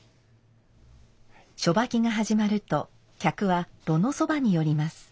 初掃きが始まると客は炉のそばに寄ります。